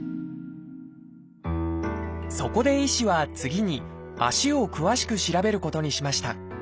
そこで医師は次に足を詳しく調べることにしました。